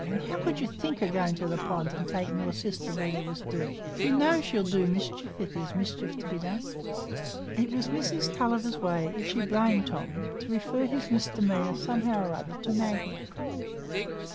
And how could you think o' going to the pond, and taking your sister where there was dirt? You know she'll do mischief if there's mischief to be done." It was Mrs Tulliver's way, if she blamed Tom, to refer his misdemeanour, somehow or other, to Maggie.